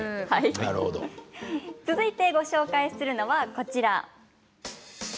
続いてご紹介するのはこちらです。